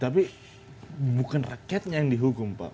tapi bukan rakyatnya yang dihukum pak